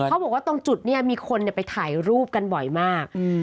เขาบอกว่าตรงจุดนี้มีคนไปถ่ายรูปกันบ่อยมาก